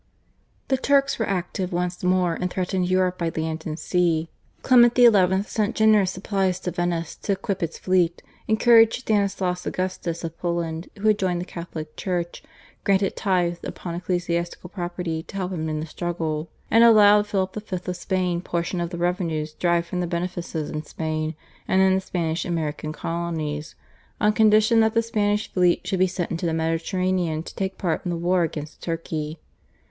The Turks were active once more and threatened Europe by land and sea. Clement XI. sent generous supplies to Venice to equip its fleet, encouraged Stanislaus Augustus of Poland who had joined the Catholic Church, granted tithes upon ecclesiastical property to help him in the struggle, and allowed Philip V. of Spain portion of the revenues derived from the benefices in Spain and in the Spanish American colonies, on condition that the Spanish fleet should be sent into the Mediterranean to take part in the war against Turkey.